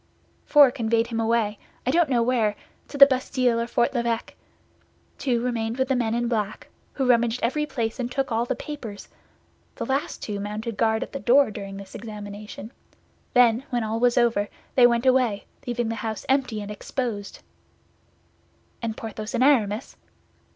"Four conveyed him away, I don't know where—to the Bastille or Fort l'Evêque. Two remained with the men in black, who rummaged every place and took all the papers. The last two mounted guard at the door during this examination; then, when all was over, they went away, leaving the house empty and exposed." "And Porthos and Aramis?"